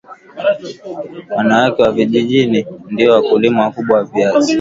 wanawake wa vijijini ndio wakulima wakubwa wa viazi